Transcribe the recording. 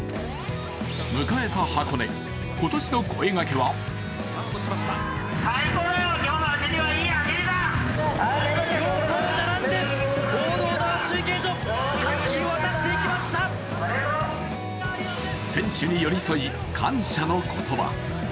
迎えた箱根、今年の声がけは選手に寄り添い、感謝の言葉。